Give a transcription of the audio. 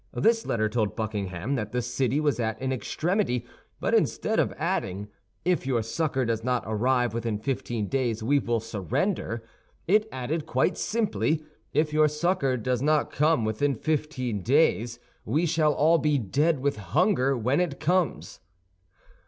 This letter told Buckingham that the city was at an extremity; but instead of adding, "If your succor does not arrive within fifteen days, we will surrender," it added, quite simply, "If your succor comes not within fifteen days, we shall all be dead with hunger when it comes."